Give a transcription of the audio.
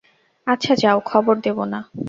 আচ্ছা যাও, খবর দেব না।